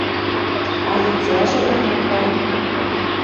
А лицӓжӹ дон махань!